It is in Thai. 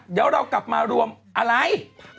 เดี๋ยวเรากลับมารวมอะไร